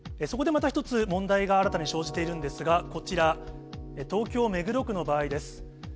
そこでまた一つ、問題が新たに生じているんですが、こちら、東京・目黒区の場合です。